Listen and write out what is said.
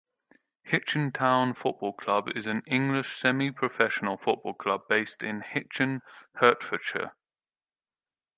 Hitchin Town Football Club is an English semi-professional football club based in Hitchin, Hertfordshire.